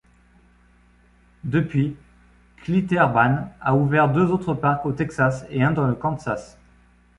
Depuis, Schlitterbahn a ouverts deux autres parcs au Texas et un dans le Kansas.